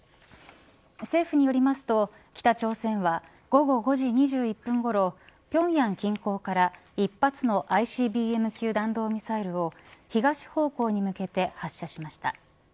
政府によりますと北朝鮮は午後５時２１分ごろ平壌近郊から１発のＩＣＢＭ級弾道ミサイルを東方向に向けて発射しました。